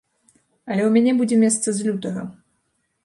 Але ў мяне будзе месца з лютага.